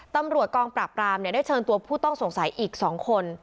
ตำรวจกองปราบปรามได้เชิญตัวผู้ต้องสงสัยอีก๒คน